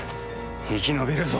生き延びるぞ！